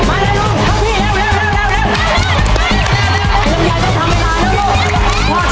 ไม่ออกลุง